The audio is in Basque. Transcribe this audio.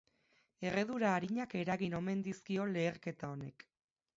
Erredura arinak eragin omen dizkio leherketa honek.